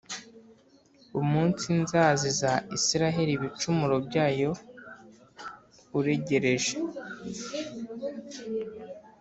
umunsi nzaziza Israheli ibicumuro byayo uregereje